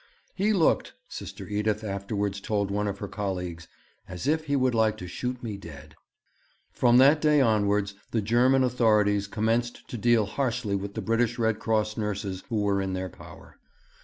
'He looked,' Sister Edith afterwards told one of her colleagues, 'as if he would like to shoot me dead.' From that day onwards the German authorities commenced to deal harshly with the British Red Cross nurses who were in their power.